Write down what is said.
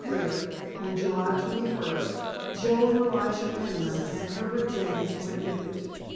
Thayer, on July twenty first, Joe and Elijah Peniman and Herbert James went with it.